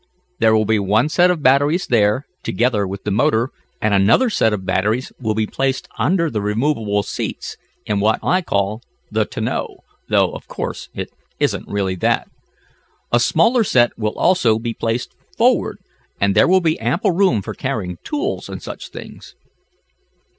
There will be one set of batteries there, together with the motor, and another set of batteries will be placed under the removable seats in what I call the tonneau, though, of course, it isn't really that. A smaller set will also be placed forward, and there will be ample room for carrying tools and such things."